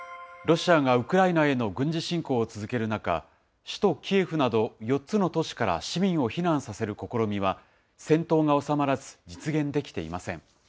ロシアがウクライナへの軍事侵攻を続ける中、首都キエフなど４つの都市から、市民を避難させる試みは、戦闘が収まらず実現できていません。